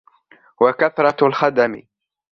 وَكَثْرَةُ الْخَدَمِ